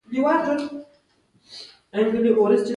ټویټر د بحثونو لپاره د بېلابېلو موضوعاتو پلیټفارم ګڼل کېږي.